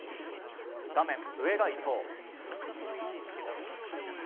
画面上が伊藤。